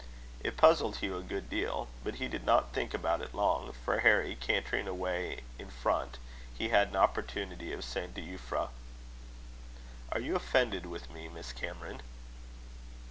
It puzzled Hugh a good deal. But he did not think about it long; for Harry cantering away in front, he had an opportunity of saying to Euphra: "Are you offended with me, Miss Cameron?"